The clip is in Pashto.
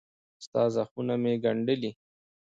ستا زخمونه مې ګنډلي